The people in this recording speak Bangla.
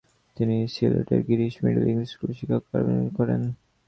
তিনি সিলেটের গিরিশ মিডল ইংলিশ স্কুলে শিক্ষক হিসাবে কর্মজীবন শুরু করেন।